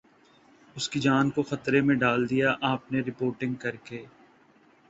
اسکی جان کو خطرے میں ڈال دیا آپ نے رپورٹنگ کر کے